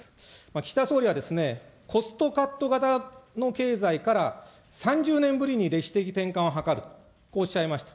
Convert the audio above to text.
岸田総理はコストカット型の経済から３０年ぶりに歴史的転換を図ると、こうおっしゃいました。